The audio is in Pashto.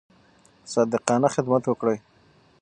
صادقانه خدمت وکړئ.